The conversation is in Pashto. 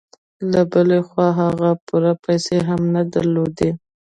له بلې خوا هغه پوره پيسې هم نه درلودې.